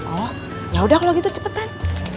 oh ya udah kalo gitu cepetan